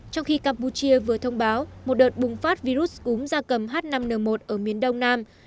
trong khi campuchia vừa thông báo một đợt bùng phát virus cúm da cầm h năm n một ở miền đông nam